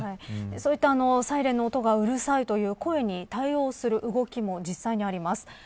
そういったサイレンの音がうるさいという声に対応する動きも実際にあります。